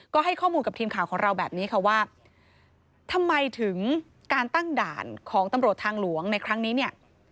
ก็ให้ข้อมูลกับทีมข่าวของเราแบบนี้ค่ะว่าทำไมถึงการตั้งด่านของตำรวจทางหลวงในครั้งนี้เนี่ย